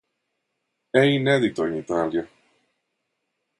È inedito in Italia.